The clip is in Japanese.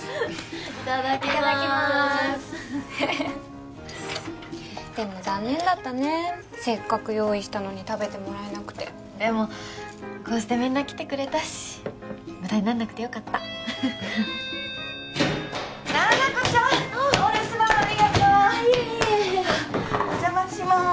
いただきますでも残念だったねせっかく用意したのに食べてもらえなくてでもこうしてみんな来てくれたし無駄になんなくてよかった七子ちゃんお留守番ありがとうあっいえいえお邪魔します